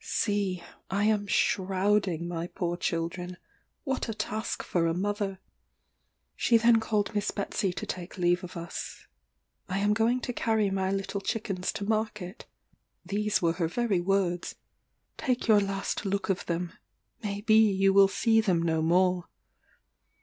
"See, I am shrouding my poor children; what a task for a mother!" She then called Miss Betsey to take leave of us. "I am going to carry my little chickens to market," (these were her very words,) "take your last look of them; may be you will see them no more."